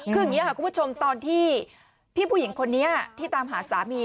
คืออย่างนี้ค่ะคุณผู้ชมตอนที่พี่ผู้หญิงคนนี้ที่ตามหาสามี